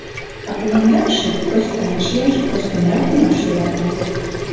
А поянракше простан чияш, простанрак илаш йӧрата...